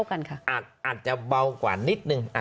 อาจจะเบากว่านิดนึง